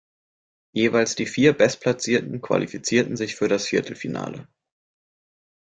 Jeweils die vier Bestplatzierten qualifizierten sich für das Viertelfinale.